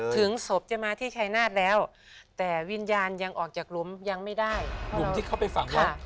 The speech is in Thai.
ถึงศพจะมาที่ชายนาฏแล้ว